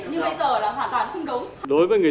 điều mà thực hiện như bây giờ là hoàn toàn không đúng